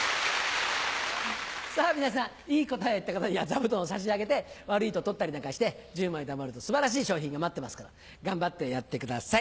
さぁ皆さんいい答えを言った方には座布団を差し上げて悪いと取ったりなんかして１０枚たまると素晴らしい賞品が待ってますから頑張ってやってください。